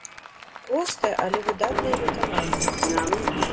Простае, але выдатнае выкананне.